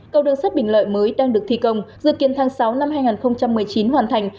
cầu đường sắt bình lợi mới đang được thi công dự kiến tháng sáu năm hai nghìn một mươi chín hoàn thành